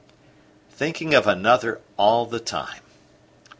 Thinking of another all the time!